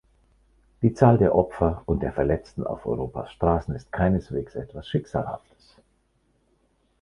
Die Zahl der Opfer und der Verletzten auf Europas Straßen ist keineswegs etwas Schicksalhaftes.